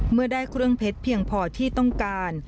เมื่อได้เครื่องเพชรเพียงพอที่ต้องการ